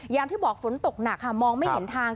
อย่างที่บอกฝนตกหนักค่ะมองไม่เห็นทาง